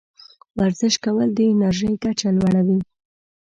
ورزش کول د انرژۍ کچه لوړوي.